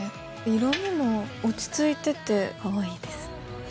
色みも落ち着いててかわいいです。